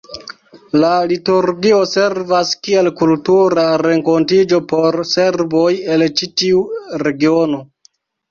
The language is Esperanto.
La liturgio servas kiel kultura renkontiĝo por serboj el ĉi tiu regiono.